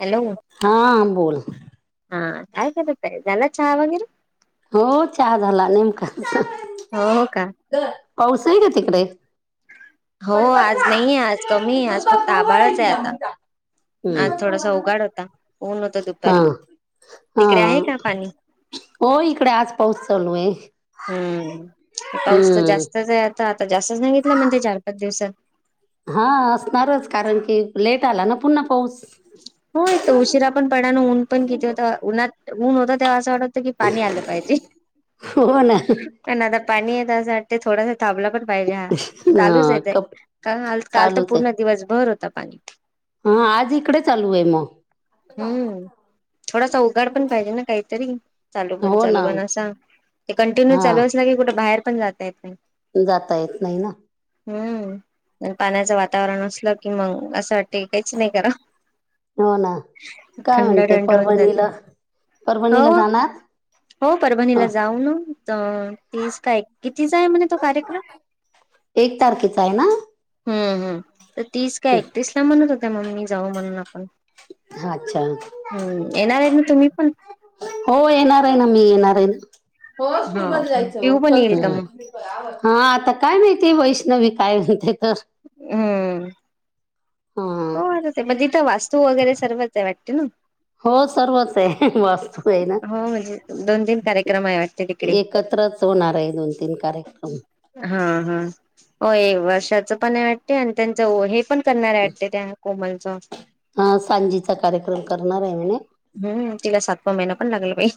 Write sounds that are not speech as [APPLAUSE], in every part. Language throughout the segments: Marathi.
हॅलो हा बोल हा काय करायचं झालं का चहा वैगरे? हो चहा झाला नेमका हो का पाऊस आहे का तिकडे? हो पटपट आज खा नाहीये आज कमी आज दूध पण फक्त खाऊ घालाय आभाळच आहे तिला आता मोठा दूध हम्म. आज पण खाऊ थोडासा घाला ना उघाड होता ऊन होत हा दुपारी हा तिकडे आहे का पाणी हो इकडे आज पाऊस सोलवे आहे. हम्म पाऊस तर हम्म जास्तच आहे आता आता जास्त सांगितलं म्हणजे चार पाच दिवसात. हा असणारच कारण की लेट आला ना पुन्हा पाऊस हो एक तर उशिरा पण पडन ऊन पण बसून किती होता जेव उन्हात ऊन होता तेव्हा असं वाटत क पाणी आल पाहिजे. हो ना प आता पाणी असं वाट थोड थांबला पण पाहिजे. हा चालूच हे हा, ते. कप काल तर चालूच आहे पूर्ण दिवसभर होता पाणी. हा आज इकडे चालू आहे मग हम्म. थोडासा उघाड पण पाहिजे ना काहीतरी चालू पण हो ना चालू पण असा ते कंटिन्यू हा चालूच असला की कुठं बाहेर पण जात येत नाही जाता येत नाही ना हम्म पाण्याचं वातावरण असलं कि मग असं वाटतं की काहीच नाही करावं हो ना काय थंड म्हणते थंड होऊन जाते परभणीला परभणीला हो जाणार? हो परभणीला अ जाऊ ना तीस काय कितीचा आहे म्हणे तो कार्यक्रम एक तारखेचा आहे ना हम्म हम्म तर तीस काय एकतीस ला म्हणत होत्या मम्मी जाऊ म्हणून आपण हा अच्छा हम्म येणारे ना तुम्ही पण? हो येणार आहे ना मी येणार आहे ना हो स्कूलमध्ये जायचं हो पिऊ पण चल येईल का मग हा आता काय माहिती व वैष्णवी काय म्हणते हम्म हा हो वाटते मग तिथं वास्तू वगैरे सर्वच आहे वाटतं. हो सर्वच आहे वास्तू आहे ना हो म्हणजे दोन तीन एकच कार्यक्रम आहे वाटते तिकडे एकत्रच होणार आहे दोन तीन कार्यक्रम हा हा हो वर्षाच पण आहे वाटते आणि त्यांच हे पण क हा सांजेचा कार्यक्रम करणार आहे म्हणे हम्म तिला सातवा महिना पण लागला बाई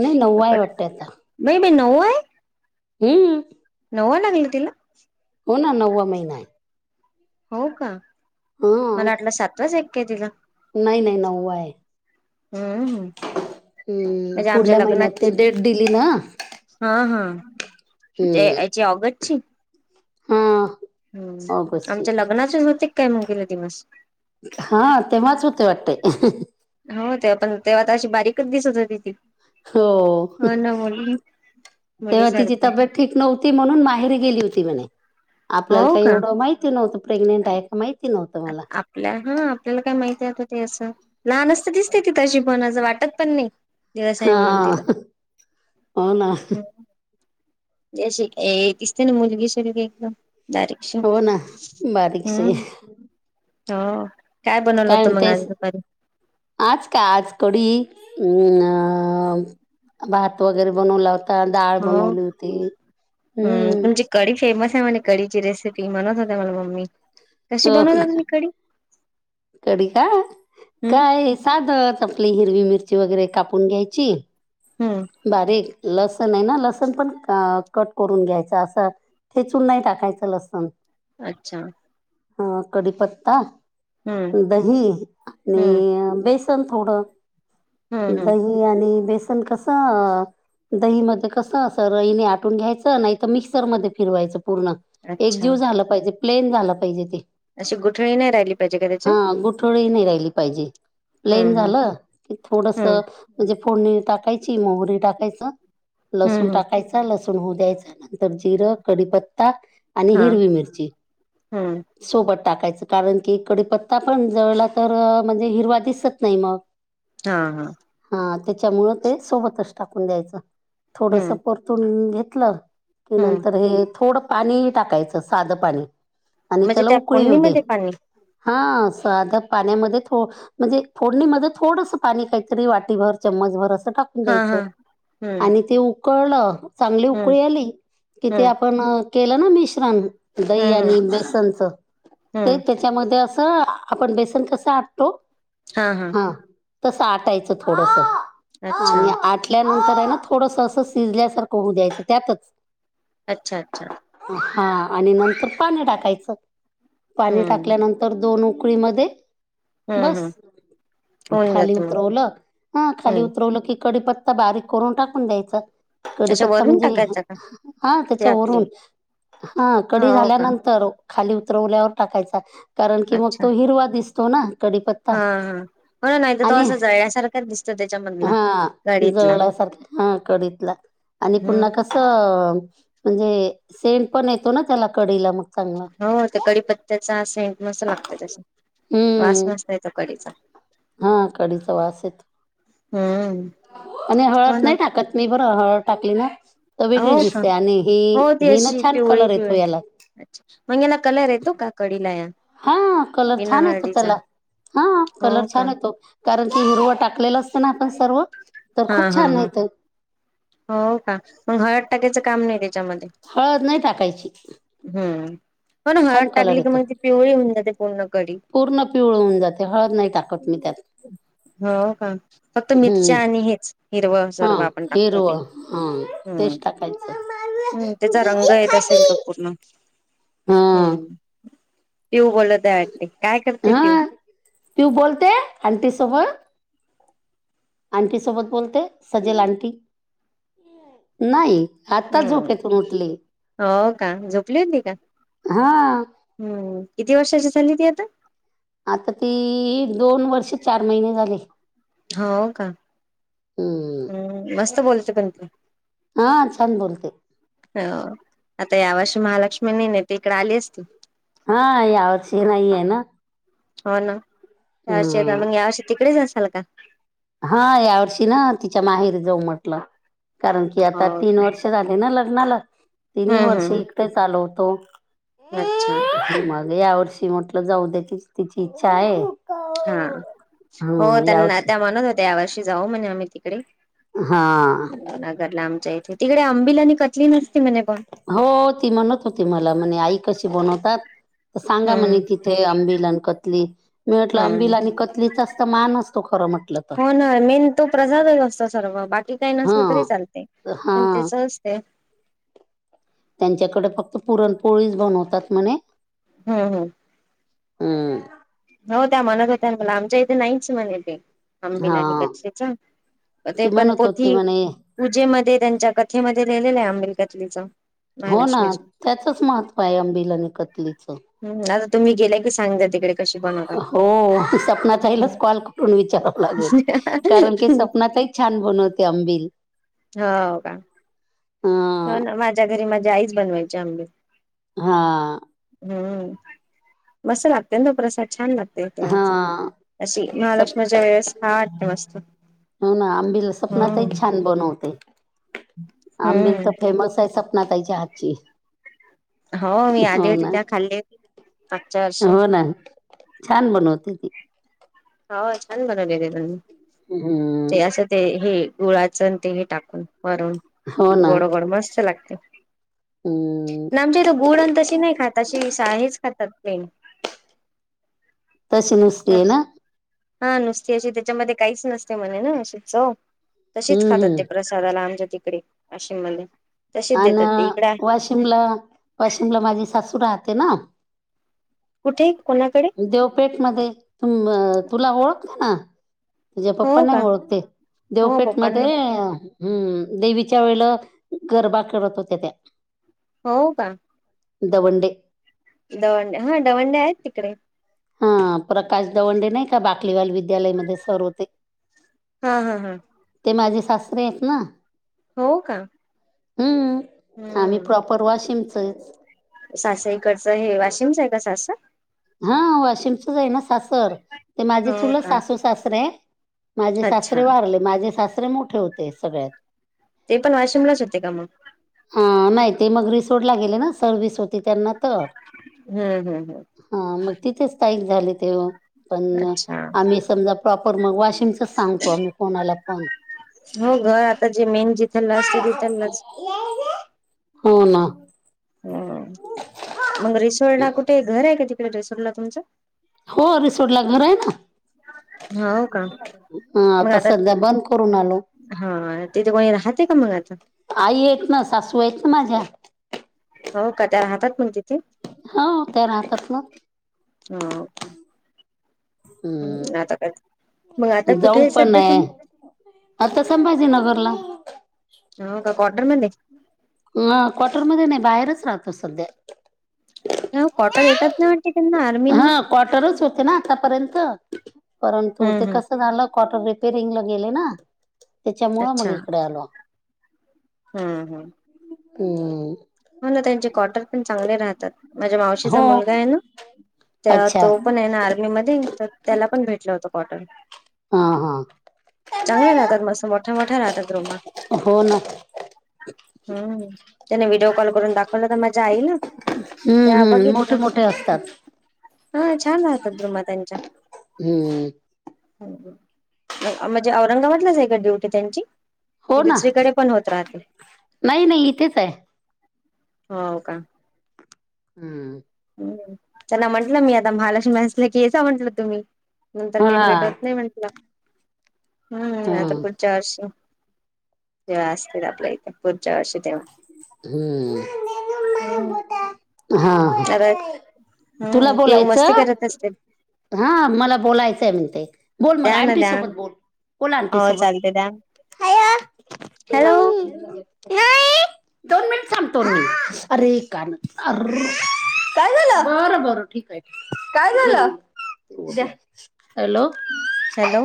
नाही नववा आहे वाटते आता नऊ आहे? हम्म. नऊवा लागला तिला? हो ना नववा महिना आहे. हो का हा मला वाटलं सातवाच ऐक तिला नाही नाही नववा आहे. हम्म हम्म. हम्म म्हणजे आमच्या पुढल्या लग्न महिन्यात ते डेट दिली ना हा हा. हम्म ते जे ऑगस्टची हा हम्म ऑगस्टची आमच्या लग्नाचे होते काय मुगेले दिवस हा तेव्हाच होते वाटते. हो तेव्हा पण तेव्हा अशी बारीकच दिसत होती ती. हो. हो ना मुलगी [UNINTELLIGIBLE] तेव्हा तिची मुलीसारखी तब्येत ठीक नव्हती म्हणून, माहेरी गेली होती म्हणे. आपल्याला हो काही का एवढं माहिती नव्हतं प्रेग्नेंट आहे का माहिती नव्हतं. आ मला आपल्या हा आपल्या आपल्याला काय माहितीय ते असं. लहान असतं दिसते ति तशी पण आज वाट. वाटत पण नाही दिवसाई म्हणून तिला. हा हो ना [UNINTELLIGIBLE] ज [UNINTELLIGIBLE] दिसते न मुलगी शरीर एकदम. बारीकशी. हो ना बारीकशे हम्म. हा. कारण तेच, आज का? आज कडी अम् अ भात वगैरे बनवला आ डाळ हो बनवली होती. हम्म. मने कडीची रेसिपी. म्हनत होत्या मला मम्मी. कशी बनवता तुम्ही कडी? कडी का हम्म काय साधत आपली हिरवी मिरची वगैरे काप कापून घ्यायची हम्म बारीक लसण आहे ना लसण पण कट करून घ्यायचं असं. ठेचून नाही टाकायचं लसण. अच्छा. अ कडीपत्ता, हम्म दही हम्म आणि बेस न थोड. हम्म हम्म दही आणि बेसन कस. ह दही मध्ये कस अस, रहिणी आटून घ्यायचं. नाही तर मिक्सर म फिरवायचं. पूर्ण, एकजीव झाला पाहिजे. प्लेन झाला पाहिजे ते. अशे गुठळे हा, गुठळही नाही राहिली पाहिजे. हम्म प्लेन हम्म झालं, की थोडसं हम्म म्हणजे फोडणी टाकायची, मोहरी टाकायच, लसूण हम्म हम्म टाकायचा, लस होऊ द्यायचा. नंतर जिरं, कडीपत्ता आणि हा हिरवी मिरची. हम्म सोबट टाकायच. कारण की, कडीपत्ता पण जळला तर म्हणजे हिरवा दिसत नाही मग. हा, हा. त्याच्यामुळ ते सोबतच टाकून द्यायचं. थोडस हम्म परतून घेतलं ते हम्म नंतर हे थोडं पाणी टाकायचं. साधं पाणी. आणि म्हणजे त्याला त्या उकळी येऊ दे फोडणीमध्ये पाणी हा साध्या पाण्यामध्ये थो म्हणजे फोडणीमध्ये थोडसं पाणी काहीतरी वाटीभर, चम्मचभर अस. टाकून हा द्यायचं. हा हम्म आणि ते उकळलं, चांगली हम्म उकळी आली, कि ते हम्म आपण केलं ना मिश्रण. दही हम्म हम्म आणि बेसनच ते हम्म त्याच्यामध्ये अस आपण बेसन कसं आटतो. हा, हा. हां तसं आटायचं थोडस, अच्छा आणि आटल्या नंतर हाय ना, थोडस अस शिजल्यासारखं होऊ द्यायचं, त्यातच. अच्छा, अच्छा! ! हा आणि नंतर पाणी टाकायचं. पाणी हम्म टाकल्यानंतर दोन उक उकळीमधे हम्म बस. हम्म होऊन खाली जात मग उतरवलं, हा खाली हम्म उतरवलं की, कडीपत्ता बारीक करून टाकून द्यायचा. अशा कडीपत्ता वरून म्हणजे टाकायचा का हा, ते त्याच्या आपली वरून. हा, कडी हो का झाल्यानंतर खाली उतरवल्यावर टाकायचा. कारण की मग अच्छा तो हिरवा दिसतो ना. हा, कडीपत्ता हा. [UNINTELLIGIBLE] नाही तर तो आणि असं जळण्यासारखा दिसतो त्याच्यामध् हा जळल्यासारख्या. हा कडीतला आणि पुन्हा हम्म कसं म्हणजे सेंट पण येतो ना त्याला कडीला मग चांगला हो, ते कडीपत्त्याचा सेंट मस्त लागतो त्याचा, वास हम्म मस्त येतो कडीत [INAUDIBLE] हा, कडीचा वास येत हम् आणि हळद नाही टाकत मी बरं, हळद टाकली ना तर वेगळीच हो का दिसते आणि हि हो ती हि ना अशी छान पिवळी कलर येतो पिवळी याला अच्छा मग हेला कलर येतो का? कडीला या हा कलर बिना छान येतो हळदीचा त्याला. हा हो कलर का छान येतो कारण की हिरवं टाकलेलं असतं ना आपण सर्व तर हा खूप हा छान हा, येतं हो का! मग हळद टाकयच काम नाही काही त्यामध्ये हळद नाही टाकायची हम्म हो ना हळद छान कलर टाकली की येतो मग ती पिवळी होऊन जाते पूर्ण कडी पूर्ण पिवळ होऊन जातय. हळद नाही टाकत मी त्यात. हो का? फक्त हम्म मिरच्या आणि हे हिरवं हा सर्व आपण टाकतो ते. हिरवळ हा हम्म. तेच टाकायचं हम्म, त्याचा रंग येत असेल तो पूर्ण. हा हम्म. पिऊ बोलत आहे वाटते काय करते हा, पिऊ तू बोलते आंटीसोबत? आंटी सोबत बोलते? सेजल आंटी, नाही? आता हम्म. झोपेतून उठली हो का, झोपली होती का? हा हम्म, किती वर्षाची झाली ती आता? आता ती दोन वर्षे चार महिने झाले हो का? हम्म मस्त बोलत पण तू हा, छान बोलते हो, आता या वर्षी महालक्ष्मी नी न ती इकडे आली असती हा. यावर्षी नाही आहे ना? हो ना, यावर्षी हम्म मग या वर्षी तिकडेच असाल का? हा, यावर्षी ना तिच्या माहेर जाऊ म्हटलं कारण की आता हो तीन का वर्ष झाली ना लग्नाला, तीनही हम्म वर्ष हम्म इकडें चालवतो अच्छा मग या वर्षी म्हटलं जाऊ दे कि तिची इच्छा आहे हा. हो हा त्यांना यावर्षी त्या म्हणत होत्या या वर्षी जाऊ म्हणे आम्ही तिकडे हा नगर ला आमच्या इथे, तिकडे अंबिल आणि कत्ली नस हो. ती म्हणत होती मला, म्हणे आई कशी बनवतात? सांगा म्हणे हम्म तिथे अंबिल आणि कतली. मी म्हटलं हम्म अंबिल आणि कतलीच चा मान असतो खरं मग हो ना, मेन तो प्रसाद असतो सर्व बाकी की काही नसल तरी हा चालतय हा पण तेचं असतय त्यांच्याकडे फक्त पुरणपोळीच बनवतात म्हणे हम्म हम्म हम्म हो त्या म्हणत होत्या मला, आमच्या इथे नाहीच म्हणे ते आंबिल आणि हा कथलीचं ते ती पण म्हणत होती पोथी, म्हणे पूजेमध्ये त्यांच्या कथेमध्ये लिहिलेलं आहे आंबिलकथलीच हो ना त्याचच महत्व आहे अंबिल आणि कतलीचं. ह आता तुम्ही गेलाय क सांग्या तिकडे कशी बनव. हो सपनाचाईलाच कॉल करून विचाराव लागेल कारण की सपनाचाही छान बोल. पुण ते अंबिल. हो का? हो ना माझ्या घरी माझ्या आईच बनवायची आंबे. हा. हम्म मस्त लागते ना प्रसाद छान लागत. हा तेून अशी सप महालक्ष्मीच्या वेळेस हा वाटत मस्त. हो ना आंबीला स्वपनातही हम्म छान बनवते. आंबिल हम्म तर फेमस आहे सपना तईच्या हातची. हो मी आली हो होती ना तेव्हा खाल्ले होते. हो ना छान बनवते ती. होाछान बनवले गले त्यां हम्म ते असं ते हे. गुळाच तेही टाकून मरून हो ना गोडगोड मस्त लागते. हम्म ना आमच्या इथं गुड आणि तशी नाही खात अशी हेच खातात. न. तसे नस्तेन. हा नुसती अशी त्याच्यामध्ये काहीच नसते म्हणे ना अशी चव. तसेच हम्म खातात हम्म ते प्रसादाला आमच्या तिकडे वाशिम मध्ये. तशीच अ देतात ते इकडे वाशिमला वाशिमला माझी सासू राहते ना. कुठे? कोणाकडे देवपेठ मध्ये त तुला ओळखते ना. तुझ्या पप्पा हो नाही का ओळखते हो देवपेठ पप्पांना मध्ये. हम्म देवीच्या वेळेला गरबा करत होत्या त्या. हो का? दवंडे. दवंडे हा दवंडे आहेत तिकडे? हा प्रकाश दवंडे नाही का बाकलीवाल विद्यालयमध्ये सर होते. हा हा हा. ते माझे सासरे आहेत ना. हो का? हम्म आम्ही हम्म प्रॉपर वाशिमचच. सासईकडचं हे वाशिमच आहे का सास. ह वाशिमचच आहे ना सासर ते माझी हो चुलंत का सासू सासर आहे. माझे अच्छा सासरे वारले माझे सासरे मोठे होते सगळ्यात. ते पण वाशिमलाच होते का मग ह नाही. ते मग रिसोडला गेले ना सरविस होती त्यांना. तर हम्म हम्म हम्म. हा तिथेच स्ताईक पण अच्छा आम्ही समजा प्रॉपर म. सांगतो आमही कोणाला पण. हो ना री. ह मग रिसोर्ट ला कुठे घर आहे काय तिकडे रिसोर्ट ला तुमचं. हो रिसोर्ट ला घर आहे ना. ह. हा आता सध्या बंद करून आलो. हा तिथे कोणी राहते का मग आता. आई आहेत ना सासू आहेत ना माझ्या हो का त्या राहतात पण तिथे. हा ते राहतात ना. हा. हम् हम्म आता काच मग आता कुठे जाऊ आहे पण सध्या तुम्ही. आता संभाजीनगरला. हो का कॉटर मध्ये. ह क्टरमध्येध्ये नाही बाहेरच राहतो सध्या. कॉटर येतात ना म्ह हा क्वार्टर होते ना आतापर्यंत परंतु ते हम् हम कसं झालं कॉटर रिपेरिंगला गेले ना त्याच्यामुळं मग इकडे आलो हम्म हम्म हम् हो ना त्यांचे क्टर पण चांगले राहतात माझ्या मावशीचा हो मुलगा आहे ना त्या अच्छा तो पण आहे ना आर्मी मध्ये तर त्याला पण भेटलं होत कॉटन हा हा चांगल्या राहतात मस् मोठा मोठा राहतात रोमा हो ना हम्म त्याने विड कॉल करून दाखवलं तर मजा आईल हम्म ते हम्म मोठे बघितितलं मोठे असतात हा छान राहतात रुमा त्यांच्या हम्म म्हणजे औरंगाबादलाच एकडेवठे त्यांची की हो ना दुसरीकडे पण होत राहते नाही नाही इथेच आहे हो का. हम्म. त्यांला म्हटलं मी आता महालक्ष्मी असलं की याचा म्हंटलं तुम्ही नंतर काही हा भेटवत नाही म्हटल. हम्म आता पुढच्या वर्षी जेव्हा असतील आपल्या इथे पुढ जाश तेव्हा हम्म. ह हा ह हम्म पिऊ मस्ती करत असते हा मला बोलायचंय म्हते बोल मग द्या ना आंटी द्या सोबत ना बोल लांटी हो सोबत चालते द्या हॅलो सांतोरनी अरे कान अर काय झालं बरं बरं ठीक आहे काय झालं हॅलो हॅलो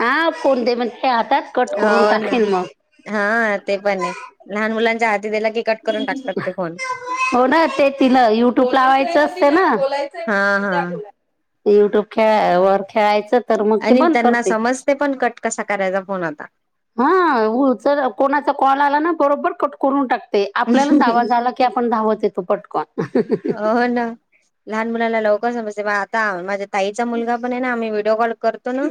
हा फोन दे म्ह हो ना हा ते पण आहे लहान मुलांच्या आ हो ना ते तिला युट्यूब लावायचं असते ना द्यायचा हा म्हटले हा द्या बोला युट्यूबच्या वर खेळायचं तर मग ते आणि बंद त्यांना करते समजते पण कट कसा करायचा फोन आता हा चर कोणाचा कॉल आला ना बरोबर कट करून टाकत ते आपल्यालाच आवाज आला की आपण धावत येतो पटकन हो ना लहान मुलांला लवकर समजते म आता माझ्या ताईचा मुलगा पण आहे ना आम्ही व्हिडिओ कॉल करतो ना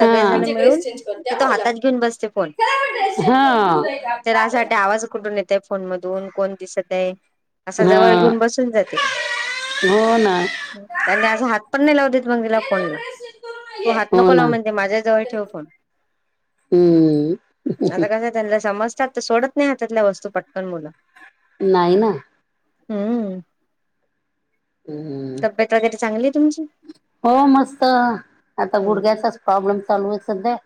हां. मीचे मिळून ड्रेस चेंज करते तर तो हां ओला. हातात घेऊन बसते फोन चला आपण ड्रेस चेंज करून हां. घेऊ हा जायचं आपला त्याला अस अभ्यास वाटते आवाज कुठून येतो फोन मधून कोण दिसत आहे असा जवळ हां, घेऊन बसून जाते हो ना. त्यांनी अस हात पण नाही लाव देत मगिला ये ना फोनला ड्रेस चेंज करून ना तू ये. हात हो नको लाव ना. म्हणजे माझ्या जवळ ठेव फोन हं. आता कसं आहे त्यांना समजतात तर सोडत नाही हातातल्या वस्तू पटकन मुलं नाही ना हम्म हं. तब्येत वगैरे चांगली तुम हो मस्त आता हम्म गुडग्याचाच प्रॉब्लेम सॉल्व आहे सध्या